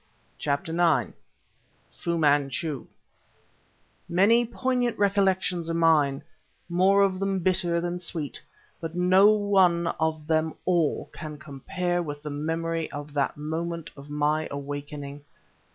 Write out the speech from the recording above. CHAPTER IX FU MANCHU Many poignant recollections are mine, more of them bitter than sweet; but no one of them all can compare with the memory of that moment of my awakening.